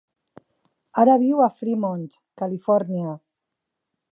Ara viu a Fremont, Califòrnia.